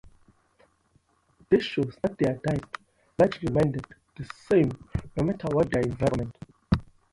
This shows that their diet largely remained the same no matter what their environment.